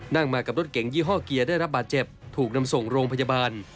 นั่งมากับรถเก๋งยี่ห้อเกียร์ได้รับบาดเจ็บถูกนำส่งโรงพยาบาล